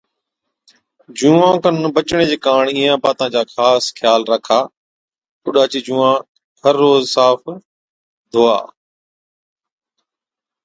جُوئان کن بَچڻي چي ڪاڻ اِينهان باتان چا خاص خيال راکا، ٺوڏا چي جُونڻان هر روز صاف ڌووا۔